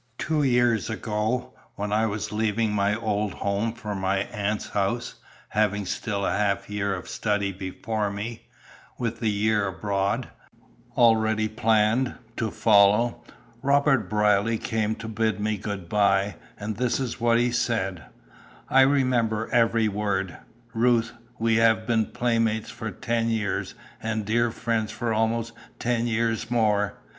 Two years ago, when I was leaving my old home for my aunt's house, having still a half year of study before me, with the year abroad, already planned, to follow, Robert Brierly came to bid me good bye, and this is what he said; I remember every word: 'Ruth, we have been playmates for ten years, and dear friends for almost ten years more.